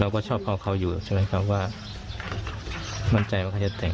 เราก็ชอบพ่อเขาอยู่เพราะฉะนั้นเขาว่ามั่นใจว่าเขาจะแต่ง